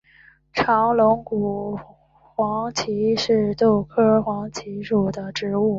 长龙骨黄耆是豆科黄芪属的植物。